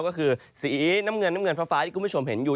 ก็คือสีน้ำเงินน้ำเงินฟ้าที่คุณผู้ชมเห็นอยู่